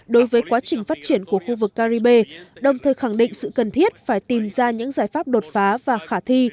đối với quá trình phát triển của khu vực caribe đồng thời khẳng định sự cần thiết phải tìm ra những giải pháp đột phá và khả thi